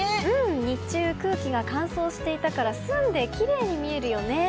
日中、空気が乾燥していたから澄んできれいに見えるよね。